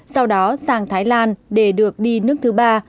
sau đó sang thái lan để được đi nước thứ ba